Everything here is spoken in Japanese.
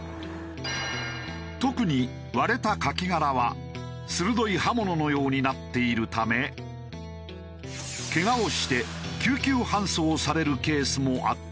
特に割れたカキ殻は鋭い刃物のようになっているためケガをして救急搬送されるケースもあったという。